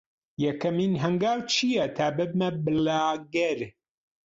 یەکەمین هەنگاو چییە تا ببمە بڵاگەر؟